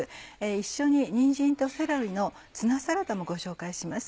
一緒に「にんじんとセロリのツナサラダ」もご紹介します。